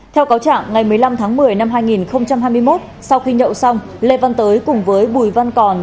theo cáo trạng ngày một mươi năm tháng một mươi năm hai nghìn hai mươi một sau khi nhậu xong lê văn tới cùng với bùi văn còn